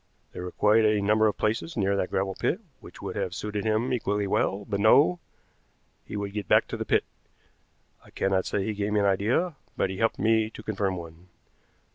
There were quite a number of places near that gravel pit which would have suited him equally well; but no, he would get back to the pit. I cannot say he gave me an idea, but he helped to confirm one.